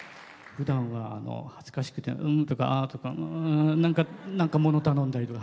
ふだんは恥ずかしくて「うーん」とか「あー」とかなんか物頼んだりとか。